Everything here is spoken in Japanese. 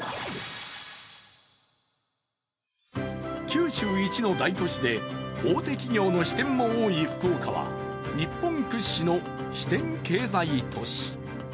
九州一の大都市で大手企業の支店も多い福岡は日本屈指の支店経済都市。